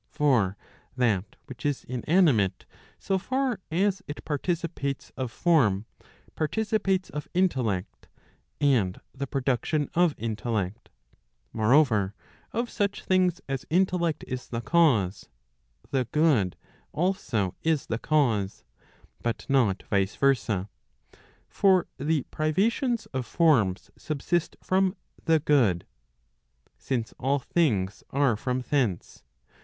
For that which is inanimate, so far as it parti¬ cipates of form, participates of intellect, and the production of intellect. Moreover, of such things as intellect is the cause, the good also is the cause; but not vice versa. For the privations of forms subsist from the good ; since all things are from thence.